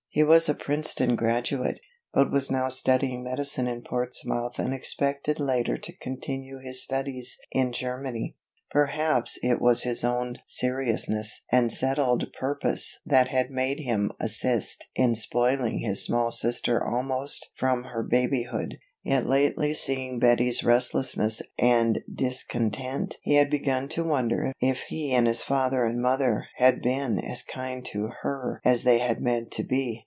He was a Princeton graduate, but was now studying medicine in Portsmouth and expected later to continue his studies in Germany. Perhaps it was his own seriousness and settled purpose that had made him assist in spoiling his small sister almost from her babyhood, yet lately seeing Betty's restlessness and discontent he had begun to wonder if he and his father and mother had been as kind to her as they had meant to be.